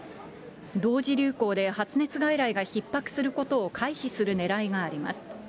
同時流行で発熱外来がひっ迫することを回避するねらいがあります。